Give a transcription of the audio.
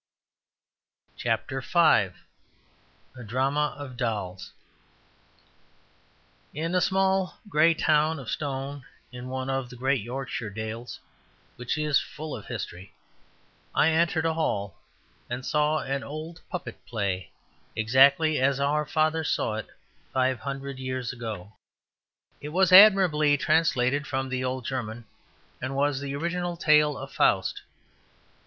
A Drama of Dolls In a small grey town of stone in one of the great Yorkshire dales, which is full of history, I entered a hall and saw an old puppet play exactly as our fathers saw it five hundred years ago. It was admirably translated from the old German, and was the original tale of Faust.